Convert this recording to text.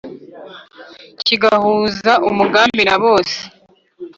kigahuza umugambi na bose